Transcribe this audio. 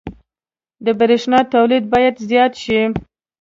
• د برېښنا تولید باید زیات شي.